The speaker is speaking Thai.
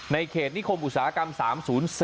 เขตนิคมอุตสาหกรรม๓๐๔